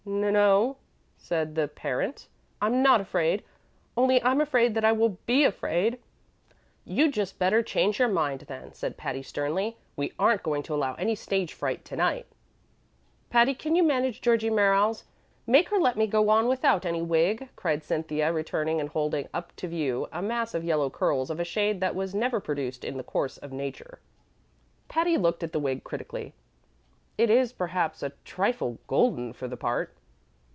"N no," said the Parent; "I'm not afraid, only I'm afraid that I will be afraid." "You'd just better change your mind, then," said Patty, sternly. "We aren't going to allow any stage fright to night." "Patty, you can manage Georgie Merriles; make her let me go on without any wig," cried Cynthia, returning and holding up to view a mass of yellow curls of a shade that was never produced in the course of nature. Patty looked at the wig critically. "It is, perhaps, a trifle golden for the part."